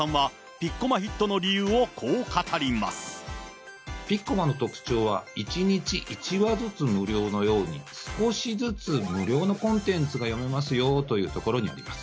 ピッコマの特徴は、１日１話ずつ無料のように、少しずつ無料のコンテンツが読めますよというところにあります。